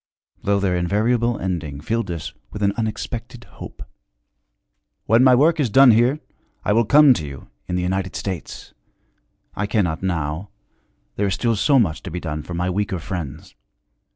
Though their invariable ending filled us with an unexpected hope: 'When my work is done here, I will come to you, in the United States. I cannot, now there is still so much to be done for my weaker friends.